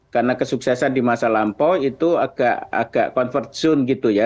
karena kesuksesan di masa lampau itu agak convert zoon gitu ya